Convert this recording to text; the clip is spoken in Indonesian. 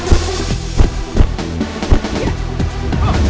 kebaikan negara adalah salah